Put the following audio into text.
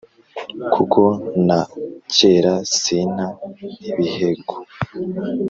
kuko na kera sinta ibiheko